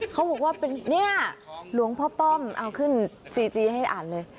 เขาบอกว่าเนี่ยหลวงพ่อป้อมเอาขึ้นซีจีให้อ่านเลย